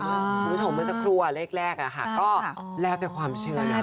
ผู้ชมมันจะครัวเลขแรกก็แล้วแต่ความเชื่อนะ